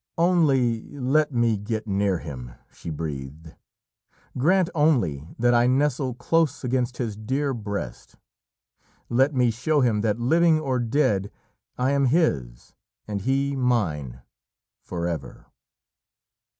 "Only let me get near him," she breathed. "Grant only that I nestle close against his dear breast. Let me show him that, living or dead, I am his, and he mine forever."